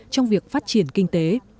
trong việc phát triển kinh tế